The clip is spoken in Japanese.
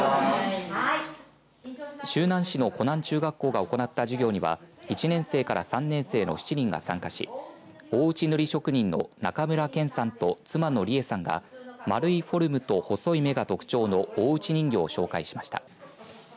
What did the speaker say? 周南市の鼓南中学校が行った授業には１年生から３年生の７人が参加し大内塗職人の中村建さんと妻の理恵さんが丸いフォルムと細い目が特徴の大内人形を紹介しました。